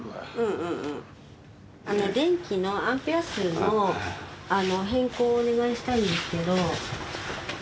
電気のアンペア数の変更をお願いしたいんですけど。